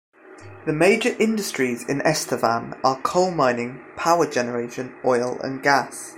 The major industries in Estevan are coal mining, power generation, oil and gas.